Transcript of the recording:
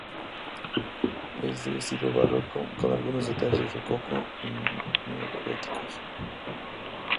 Es de estilo barroco, con algunos detalles rococó y neogóticos.